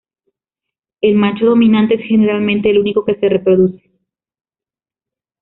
El macho dominante es generalmente el único que se reproduce.